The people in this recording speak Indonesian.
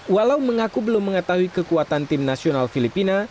walau mengaku belum mengetahui kekuatan tim nasional filipina